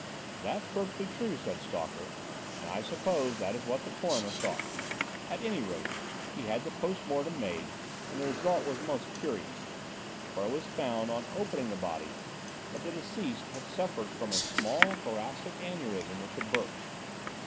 "That's perfectly true," said Stalker; "and I suppose that is what the coroner thought. At any rate, he had the post mortem made, and the result was most curious; for it was found, on opening the body, that the deceased had suffered from a smallish thoracic aneurism, which had burst.